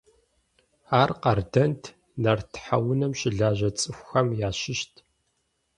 Ар къардэнт, нарт тхьэунэм щылажьэ цӀыхухэм ящыщт.